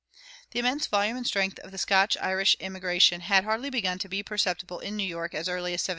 The immense volume and strength of the Scotch Irish immigration had hardly begun to be perceptible in New York as early as 1730.